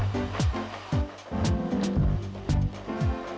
kamu gimana sih